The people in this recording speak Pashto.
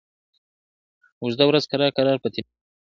اوږده ورځ کرار کرار پر تېرېدو وه ,